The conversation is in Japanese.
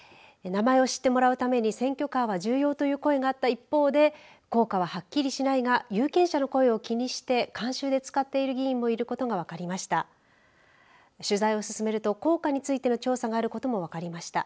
名前を知ってもらうために選挙カーは重要という声があった一方で効果は、はっきりしないが有権者の声を気にして慣習で使っている議員もいることが分かりました。